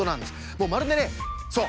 もうまるでねそう！